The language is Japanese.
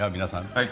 はい。